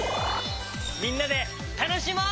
みんなでたのしもう！